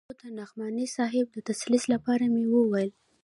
خو د نعماني صاحب د تسل لپاره مې وويل.